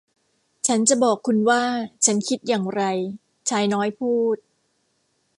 ฉันจะบอกคุณว่าฉันคิดอย่างไรชายน้อยพูด